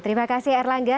terima kasih erlangga